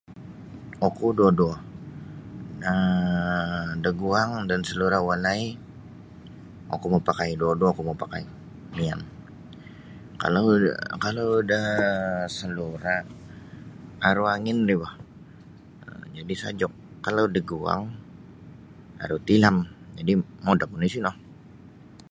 Oku duo-duo um da guang dan salura walai oku mapakai duo-duo oku mapakai miyan kalau kalau da salura aru angin ri boh jadi sajuk kalau da guang aru tilam jadi modop oni sino.